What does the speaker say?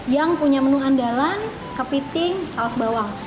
yang punya menu andalan kepiting saus bawang